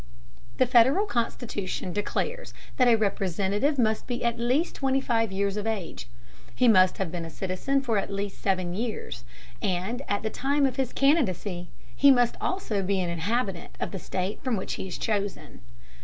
The Federal Constitution declares that a Representative must be at least twenty five years of age. He must have been a citizen for at least seven years, and at the time of his candidacy must also be an inhabitant of the state from which he is chosen.